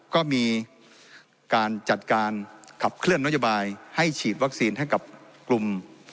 ก็มีการจัดการขับเคลื่อนนโยบายให้ฉีดวัคซีนให้กับกลุ่ม